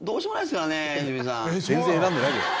全然選んでないじゃん。